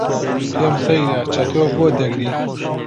پێم سەیرە چەتۆ بۆ دەگری.